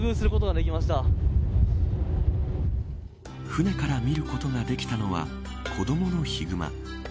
船から見ることができたのは子どものヒグマ。